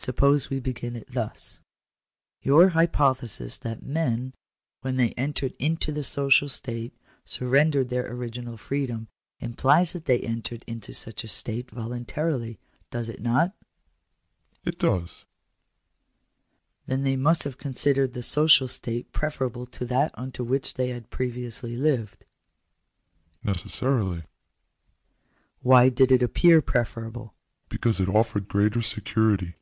Suppose we begin it thus :— "Your hypothesis that men, when they entered into the Digitized by VjOOQIC POLITICAL RIGHTS. 203 social state, surrendered their original freedom, implies that they entered into such state voluntarily, does it not ?"" It does." " Then they must have considered the social state preferable to that under which they had previously lived ?"" Necessarily." " Why did it appear preferable ?"" Because it offered greater security."